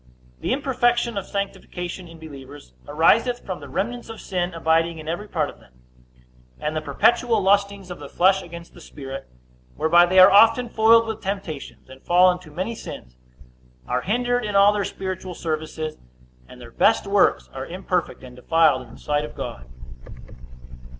The imperfection of sanctification in believers ariseth from the remnants of sin abiding in every part of them, and the perpetual lustings of the flesh against the spirit; whereby they are often foiled with temptations, and fall into many sins, are hindered in all their spiritual services, and their best works are imperfect and defiled in the sight of God.